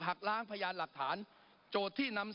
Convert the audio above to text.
ปรับไปเท่าไหร่ทราบไหมครับ